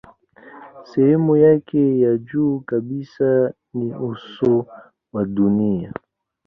Sehemu yake ya juu kabisa ni uso wa dunia.